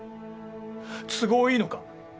都合いいのか？